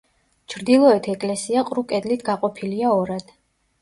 ჩრდილოეთ ეკლესია ყრუ კედლით გაყოფილია ორად.